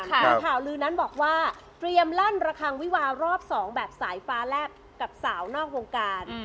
โดยข่าวลือนั้นบอกว่าเตรียมลั่นระคังวิวารอบ๒แบบสายฟ้าแลบกับสาวนอกวงการ